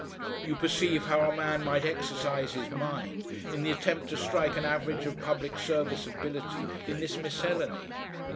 You perceive how a man might exercise his mind in the attempt to strike an average of public serviceability in this miscellany!